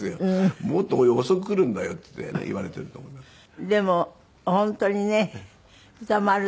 もっと遅く来るんだよっていってね言われていると思います。